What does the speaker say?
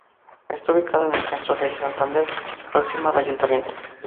Está ubicada en el centro de Santander, próxima al Ayuntamiento.